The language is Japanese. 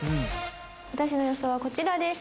私の予想はこちらです。